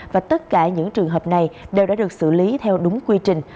và tất cả những trường hợp này đều đã được xử lý theo đúng quy trình